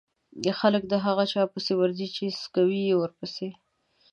خلک د هغه چا پسې ورځي چې څکوی يې ورپسې دی.